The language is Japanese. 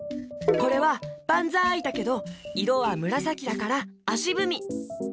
これは「ばんざい」だけどいろはむらさきだからあしぶみ。